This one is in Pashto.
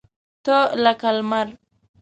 تۀ لکه لمر !